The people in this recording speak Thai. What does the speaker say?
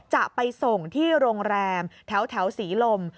จะไปส่งที่โรงแรมแถวศรีลม